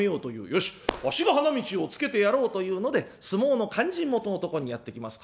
よしわしが花道をつけてやろうというので相撲の勧進元のところにやって来ます。